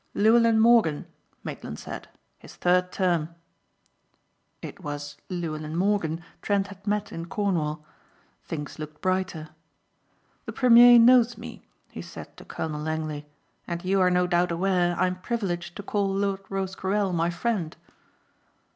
"Llewellyn Morgan," Maitland said. "His third term." It was Llewellyn Morgan Trent had met in Cornwall. Things looked brighter. "The premier knows me," he said to Colonel Langley, "and you are no doubt aware I am privileged to call Lord Rosecarrel my friend."